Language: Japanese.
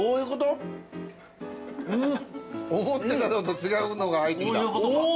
思ってたのと違うのが入ってきた。